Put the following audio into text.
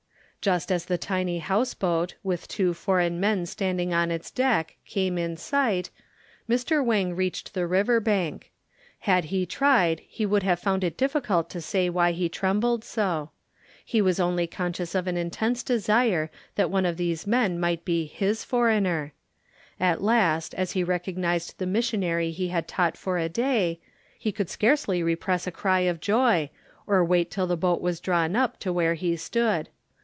Just as the tiny house boat, with two foreign men standing on its deck, came in sight, Mr. Wang reached the river bank. Had he tried he would have found it difficult to say why he trembled so. He was only conscious of an intense desire that one of these men might be his foreigner. At last as he recognized the missionary he had taught for a day, he could scarcely repress a cry of joy, or wait till the boat was drawn up to where he stood.